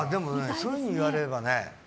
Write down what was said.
そういうふうに言われればね